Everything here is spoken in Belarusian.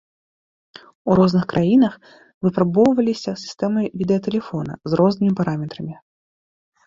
У розных краінах выпрабоўваліся сістэмы відэатэлефона з рознымі параметрамі.